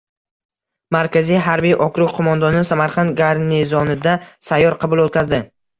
Markaziy harbiy okrug qo‘mondoni Samarqand garnizonida sayyor qabul o‘tkazdi